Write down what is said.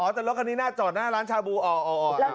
โอ้แต่รถนี้น่าเจาะล้านชาบูเอ้า